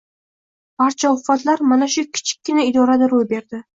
Barcha ofatlar mana shu kichikkina idorada ro`y berdi